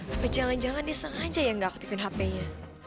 apa jangan jangan dia sengaja yang nggak aktifin hp nya